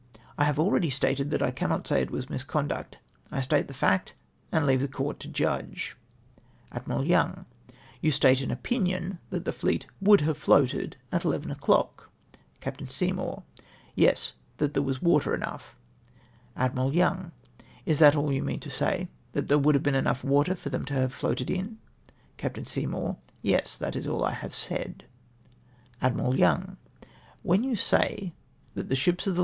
—" I have already stated that I cannot say it was misconduct. I state the fact and leave the court TO JUDGE." Admiral Young. —" You state an opinion that the fleet would have floated in at eleven o'clock." Capt. Seymour. — "Yes, that there was water enough." Admiral Young. —" Is that all you mean to say, that there would have been water enough for them to have floated in ?" Capt. Seymour. —" Yes. That is all I have said." Admiral Young.— "When you say that the ships of the HIS EVIDENCE SOUGHT TO BE NEUTRALISED.